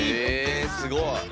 えすごい！